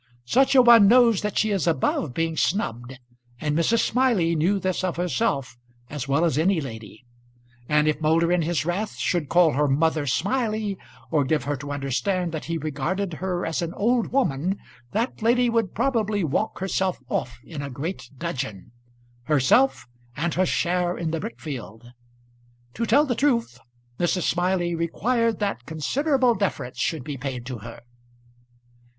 Such a one knows that she is above being snubbed, and Mrs. Smiley knew this of herself as well as any lady; and if Moulder, in his wrath, should call her Mother Smiley, or give her to understand that he regarded her as an old woman, that lady would probably walk herself off in a great dudgeon, herself and her share in the brick field. To tell the truth, Mrs. Smiley required that considerable deference should be paid to her.